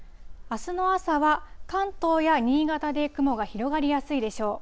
あすの朝は、関東や新潟で雲が広がりやすいでしょう。